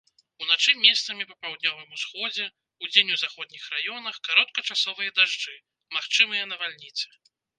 Уначы месцамі па паўднёвым усходзе, удзень у заходніх раёнах кароткачасовыя дажджы, магчымыя навальніцы.